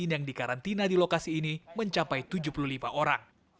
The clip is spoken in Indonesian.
yang dikarantina di lokasi ini mencapai tujuh puluh lima orang